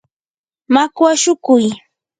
makwa shukuy.